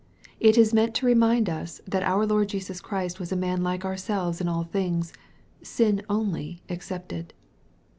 It is meant to remind us that our Lord Jesus Christ was a man like ourselves in ail things, sin only excepted.